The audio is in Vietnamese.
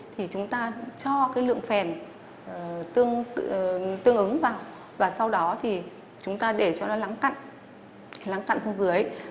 thì chúng ta cho cái lượng phèn tương ứng vào và sau đó thì chúng ta để cho nó lắng cặn láng cạn xuống dưới